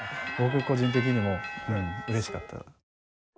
僕個人的にもうん嬉しかった。